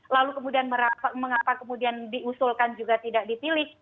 lalu kemudian mengapa kemudian diusulkan juga tidak dipilih